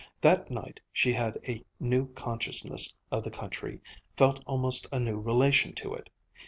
That night she had a new consciousness of the country, felt almost a new relation to it.